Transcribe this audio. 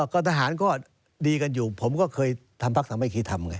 กับทหารก็ดีกันอยู่ผมก็เคยทำภักดิ์สังเมฆิษฐรรมไง